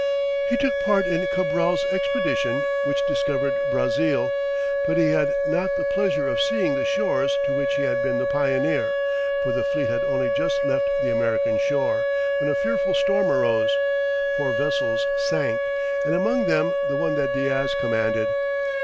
He took part in Cabral's expedition which discovered Brazil, but he had not the pleasure of seeing the shores to which he had been the pioneer, for the fleet had only just left the American shore, when a fearful storm arose; four vessels sank, and among them the one that Diaz commanded.